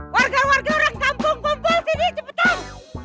warga warga orang kampung bonggol sini cepetan